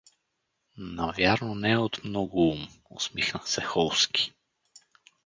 — Навярно не е от много ум… — усмихна се Холски.